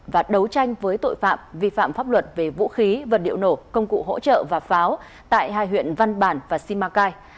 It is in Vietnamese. và đấu tranh với tội phạm vi phạm pháp luật về vũ khí vật liệu nổ công cụ hỗ trợ và pháo tại hai huyện văn bản và simacai